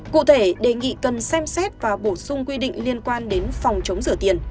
cụ thể đề nghị cần xem xét và bổ sung quy định liên quan đến phòng chống rửa tiền